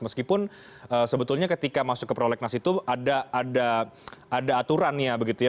meskipun sebetulnya ketika masuk ke prolegnas itu ada aturannya begitu ya